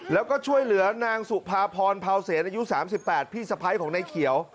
แล้วก็ช่วยเหลือนางสุภาพรเผาเสนอายุ๓๘พี่สะพ้ายของนายเขียว